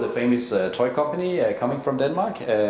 perusahaan mainan yang terkenal di denmark